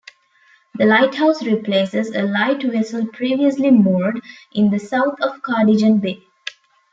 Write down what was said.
The lighthouse replaces a light-vessel previously moored in the south of Cardigan Bay.